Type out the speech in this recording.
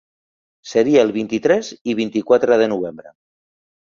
Seria el vint-i-tres i vint-i-quatre de novembre.